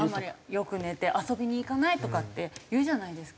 よく寝て遊びに行かないとかっていうじゃないですか。